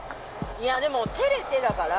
いやでも照れてだから。